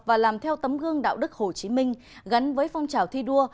và làm theo tấm gương đạo đức hồ chí minh gắn với phong trào thi đua